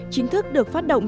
chính thức được phát động